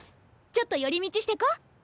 ちょっと寄り道してこう！